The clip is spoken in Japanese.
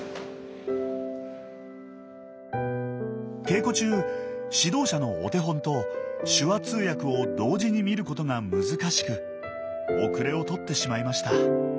稽古中指導者のお手本と手話通訳を同時に見ることが難しく後れを取ってしまいました。